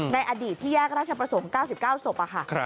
ในอดีตที่แยกราชประสงค์๙๙ศพค่ะ